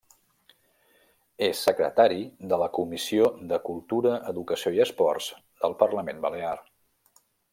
És secretari de la comissió de cultura, educació i esports del Parlament Balear.